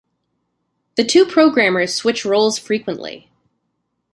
The two programmers switch roles frequently.